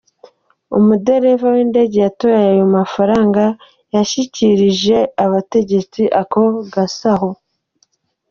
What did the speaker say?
Umudereva w'indege yatoye ayo mafaranga yashikirije abategetsi ako gasaho.